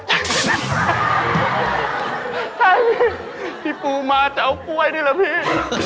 ใช่พี่ปูมาจะเอากล้วยนี่แหละพี่